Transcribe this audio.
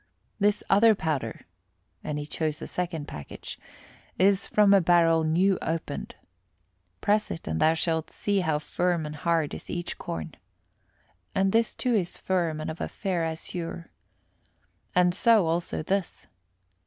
This other powder" and he chose a second package "is from a barrel new opened. Press it and thou shalt see how firm and hard is each corn. And this, too, is firm and of a fair azure. And so, also, this.